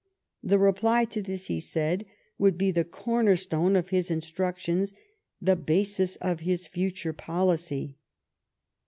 The reply to this, he said, would be the corner stone of his instructions, the basis of his future policy.